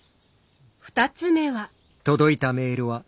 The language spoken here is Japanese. ２つ目は。